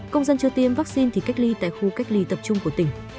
công dân chưa tiêm vaccine thì cách ly tại khu cách ly tập trung của tỉnh